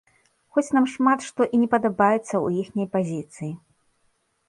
Хоць нам шмат што і не падабаецца ў іхняй пазіцыі.